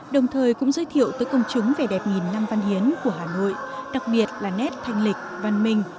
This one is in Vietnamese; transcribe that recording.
đồng thời cũng giới thiệu tới công chúng về đẹp nghìn năm văn hiến của hà nội đặc biệt là nét thanh lịch văn minh